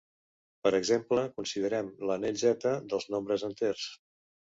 Per exemple, considerem l'anell ℤ dels nombres enters.